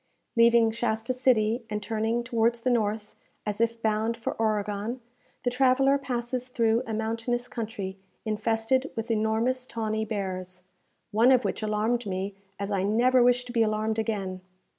Leaving Shasta City, and turning towards the north, as if bound for Oregon, the traveller passes through a mountainous country infested with enormous tawny bears, one of which alarmed me as I never wish to be alarmed again.